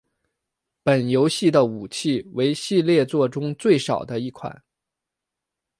本游戏的武器为系列作中最少的一款。